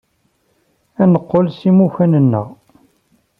Ad neqqel s imukan-nneɣ.